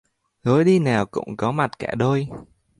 Lối đi nào cũng có mặt cả đôi